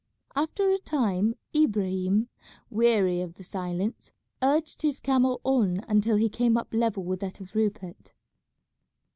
After a time Ibrahim, weary of the silence, urged his camel on until he came up level with that of Rupert.